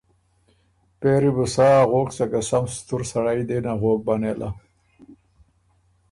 پېری بو سا اغوک سکه سم ستُر سړئ دې نغوک بۀ نېله۔